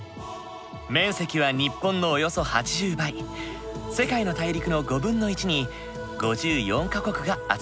面積は日本のおよそ８０倍世界の大陸の５分の１に５４か国が集まっている。